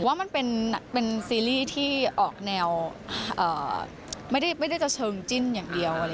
ว่ามันเป็นซีรีส์ที่ออกแนวไม่ได้จะเชิงจิ้นอย่างเดียว